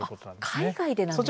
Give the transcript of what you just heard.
あっ海外でなんですね。